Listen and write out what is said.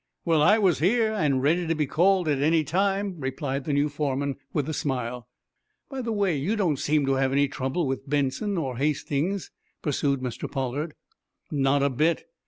"Well, I was here, and ready to be called at any time," replied the new foreman, with a smile. "By the way, you don't seem to have any trouble with Benson or Hastings," pursued Mr. Pollard. "Not a bit.